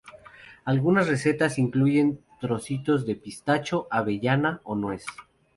Algunas recetas incluyen trocitos de pistacho, avellana o nuez.